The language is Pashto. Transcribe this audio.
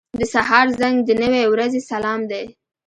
• د سهار زنګ د نوې ورځې سلام دی.